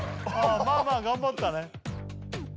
まあまあ頑張ったね